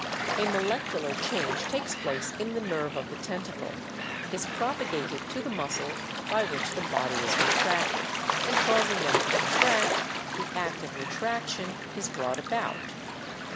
A molecular change takes place in the nerve of the tentacle, is propa gated to the muscles by which the body is retracted, and causing them to contract, the act of retraction is brought about.